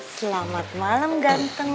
selamat malam ganteng